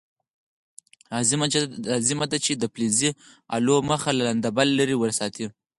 لازمه ده چې د فلزي الو مخ له لنده بل لرې وساتئ.